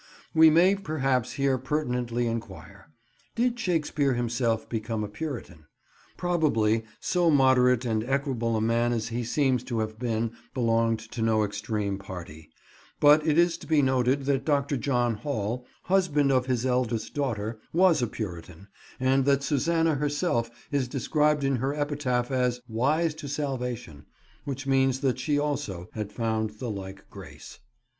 We may perhaps here pertinently inquire: Did Shakespeare himself become a Puritan? Probably so moderate and equable a man as he seems to have been belonged to no extreme party; but it is to be noted that Dr. John Hall, husband of his eldest daughter, was a Puritan, and that Susanna herself is described in her epitaph as "wise to salvation," which means that she also had found the like grace.